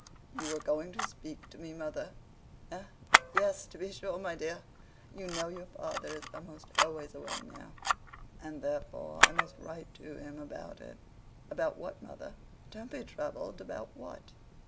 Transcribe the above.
'You were going to speak to me, mother.' 'Eh? Yes, to be sure, my dear. You know your father is almost always away now, and therefore I must write to him about it.' 'About what, mother? Don't be troubled. About what?